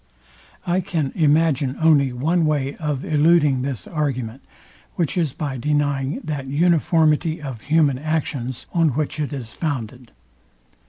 I can imagine only one way of eluding this argument, which is by denying that uniformity of human actions, on which it is founded.